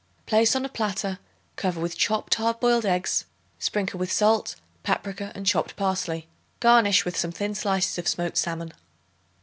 Place on a platter, cover with chopped hard boiled eggs, sprinkle with salt, paprica and chopped parsley. Garnish with some thin slices of smoked salmon.